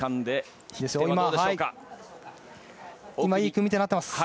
いい組み手になっています。